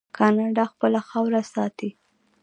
کاناډا خپله خاوره ساتي.